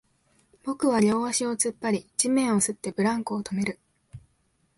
僕は両足を突っ張り、地面を擦って、ブランコを止める